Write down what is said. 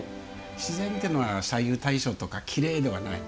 自然っていうのは左右対称とかきれいではない。